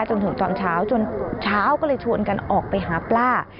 จนถึงตอนเช้าจนเช้าก็เลยชวนกันออกไปหาปลา